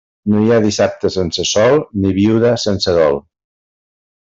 No hi ha dissabte sense sol ni viuda sense dol.